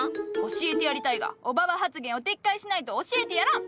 教えてやりたいがオババ発言を撤回しないと教えてやらん！